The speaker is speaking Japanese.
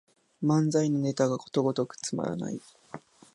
漫才のネタがことごとくつまらない